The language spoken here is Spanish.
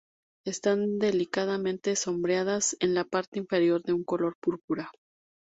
Están delicadamente sombreadas en la parte inferior de un color púrpura.